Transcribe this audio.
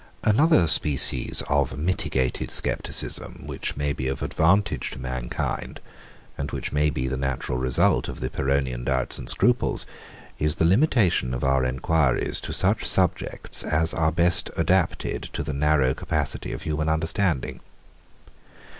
130. Another species of mitigated scepticism which may be of advantage to mankind, and which may be the natural result of the Pyrrhonian doubts and scruples, is the limitation of our enquiries to such subjects as are best adapted to the narrow capacity of human understanding.